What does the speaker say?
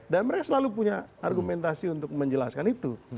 dan mereka selalu punya argumentasi untuk menjelaskan itu